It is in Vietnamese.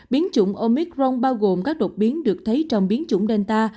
biến chủng omicron bao gồm các đột biến được thấy trong biến chủng delta